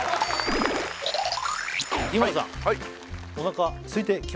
日村さん